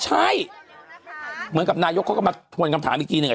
ใช่เหมือนกับนายกเขาก็มาทวนคำถามอีกทีหนึ่ง